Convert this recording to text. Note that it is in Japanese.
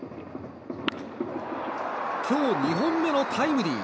今日２本目のタイムリー。